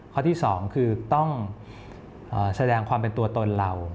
ข้อที่๒คือต้องแสดงความเป็นตัวตนเรา